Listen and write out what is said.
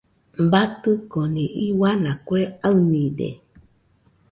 Batɨconi iuana kue aɨnide.